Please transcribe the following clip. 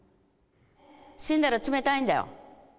死んだら冷たいんだよ。